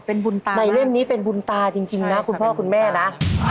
เป็นบุญตาในเล่มนี้เป็นบุญตาจริงนะคุณพ่อคุณแม่นะ